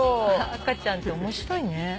赤ちゃんって面白いね。